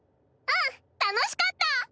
うん楽しかった！